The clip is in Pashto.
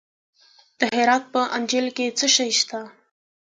د هرات په انجیل کې څه شی شته؟